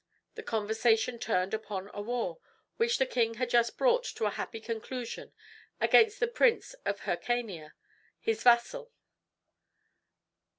The conversation turned upon a war which the king had just brought to a happy conclusion against the prince of Hircania, his vassal.